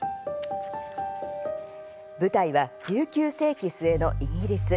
舞台は、１９世紀末のイギリス。